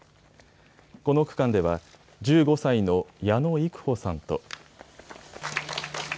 この区間では１５歳の矢野育帆さんと。